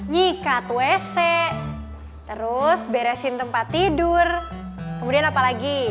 nyikat wc terus beresin tempat tidur kemudian apa lagi